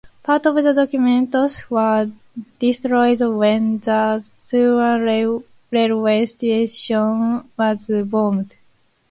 Part of the documents were destroyed when the Turda railway station was bombed.